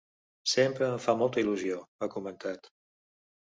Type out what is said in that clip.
Sempre em fa molta il·lusió, ha comentat.